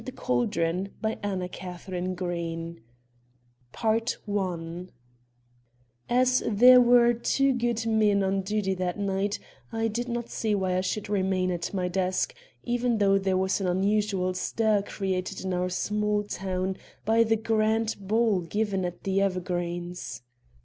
THE RUBY AND THE CALDRON As there were two good men on duty that night, I did not see why I should remain at my desk, even though there was an unusual stir created in our small town by the grand ball given at The Evergreens.